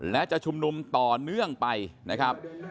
และจะชุมนุมต่อเนื่องไปนะครับ